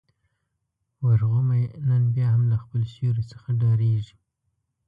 ورغومی نن بيا هم له خپل سیوري څخه ډارېږي.